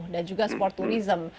dan juga sport turism